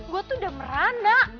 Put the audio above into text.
gua tuh udah merana